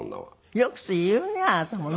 よくそれ言うねあなたもね。